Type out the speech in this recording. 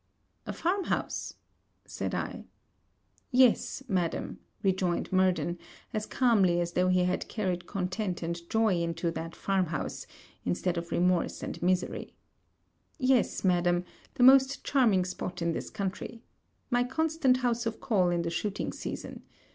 'A farm house!' said I. 'Yes, madam,' rejoined Murden, as calmly as though he had carried content and joy into that farm house, instead of remorse and misery; 'Yes, madam, the most charming spot in this country. My constant house of call in the shooting season.